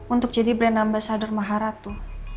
untuk jadi berenambah sadar maharatu